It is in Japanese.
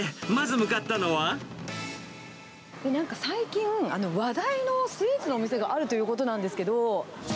なんか最近、話題のスイーツのお店があるということなんですけど。